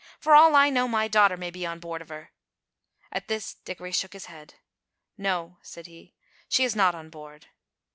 For all I know, my daughter may be on board of her." At this Dickory shook his head. "No," said he, "she is not on board."